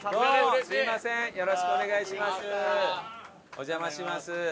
お邪魔します。